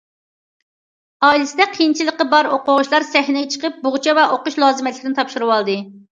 ئائىلىسىدە قىيىنچىلىقى بار ئوقۇغۇچىلار سەھنىگە چىقىپ، بوغچا ۋە ئوقۇش لازىمەتلىكلىرىنى تاپشۇرۇۋالدى.